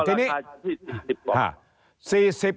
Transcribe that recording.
ก็ราคาที่๔๐บาท